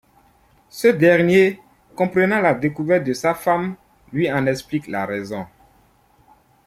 Ce dernier, comprenant la découverte de sa femme, lui en explique la raison.